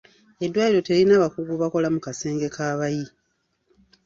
Eddwaliro teririna bakugu mu bakola mu kasenge k'abayi.